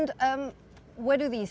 dari mana ini